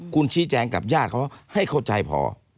คุณชี้แจงกับญาติเขาให้เข้าใจพอ